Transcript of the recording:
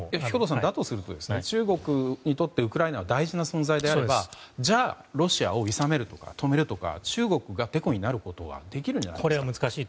兵頭さんだとすると中国にとってウクライナは大事な存在であればじゃあ、ロシアをいさめるとか止めるとか中国が、てこになることはできるんじゃないですか？